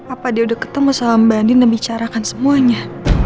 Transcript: apa dia udah ketemu sama mbak andi dan bicarakan semuanya